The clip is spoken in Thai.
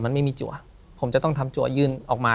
มันไม่มีจัวผมจะต้องทำจัวยื่นออกมา